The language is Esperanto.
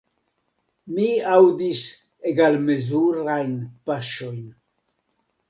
Mi aŭdis egalmezurajn paŝojn.